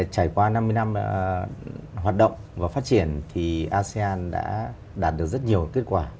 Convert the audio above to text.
trải qua năm mươi năm hoạt động và phát triển thì asean đã đạt được rất nhiều kết quả